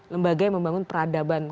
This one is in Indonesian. lembaga yang membangun peradaban